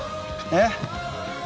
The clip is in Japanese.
えっ？